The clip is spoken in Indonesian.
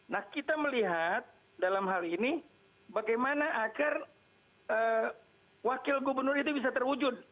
nah kita melihat dalam hal ini bagaimana agar wakil gubernur itu bisa terwujud